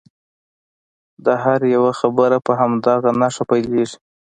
د هر یوه خبره په همدغه نښه پیلیږي.